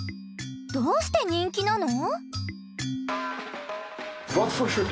どうして人気なの？